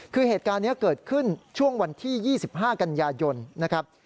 คือเหตุการณ์นี้เกิดขึ้นช่วงวันที่๒๕กันยายนนะครับ